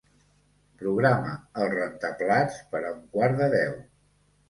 Programa el rentaplats per a un quart de deu.